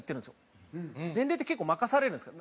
伝令って結構任されるんですよ